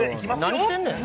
何してんねん！